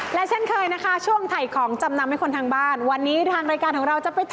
แต่คุณพี่ตองและคุณภารยามากนะครับ